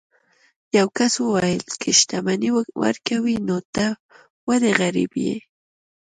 یو کس وویل که شتمني ورکوي نو ته ولې غریب یې.